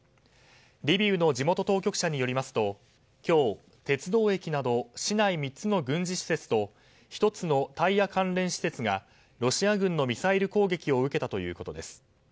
リビウの地元当局者によりますと今日、鉄道駅など市内３つの軍事施設と１つのタイヤ関連施設がロシア軍のミサイル攻撃を受けたということです。